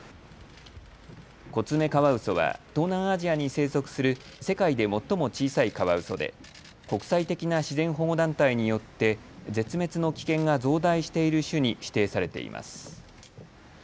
コツメカワウソは東南アジアに生息する世界で最も小さいカワウソで国際的な自然保護団体によって絶滅の危険が増大している種に指定されています。